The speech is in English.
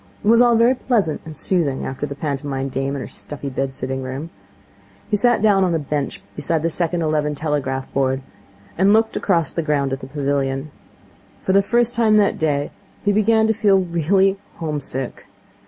It was all very pleasant and soothing after the pantomime dame and her stuffy bed sitting room. He sat down on a bench beside the second eleven telegraph board, and looked across the ground at the pavilion. For the first time that day he began to feel really home sick.